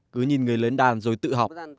cứ nhìn người lớn đàn rồi tự học